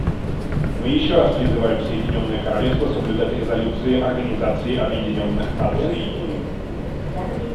Мы еще раз призываем Соединенное Королевство соблюдать резолюции Организации Объединенных Наций.